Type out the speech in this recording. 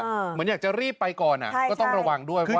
เหมือนอยากจะรีบไปก่อนก็ต้องระวังด้วย